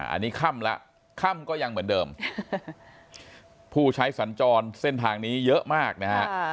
อันนี้ค่ำแล้วค่ำก็ยังเหมือนเดิมผู้ใช้สัญจรเส้นทางนี้เยอะมากนะฮะ